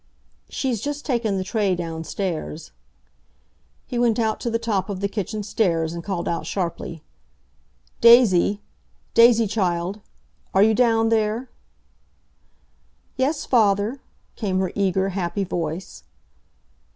"She's just taken the tray downstairs." He went out to the top of the kitchen stairs, and called out sharply, "Daisy! Daisy, child! Are you down there?" "Yes, father," came her eager, happy voice.